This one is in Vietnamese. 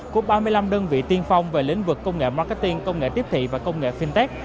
của ba mươi năm đơn vị tiên phong về lĩnh vực công nghệ marketing công nghệ tiếp thị và công nghệ fintech